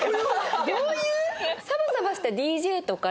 どういう？